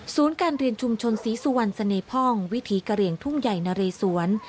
ศูนย์การเรียนชุมชนศรีสุวรรณสเนพร่องวิธีกระเรียงทุ่มใหญ่นะเรสวน